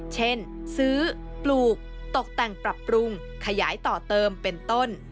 เช่นซื้อปลูกตกแต่งปรับปรุงขยายต่อเติมเป็นต้น